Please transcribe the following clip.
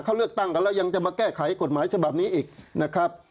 เขาเลือกตั้งกันแล้วยังจะมาแก้ไขกฎหมายฉบับนี้อีกนะครับ